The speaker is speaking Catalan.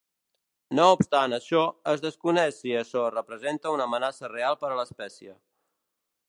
No obstant això, es desconeix si açò representa una amenaça real per a l'espècie.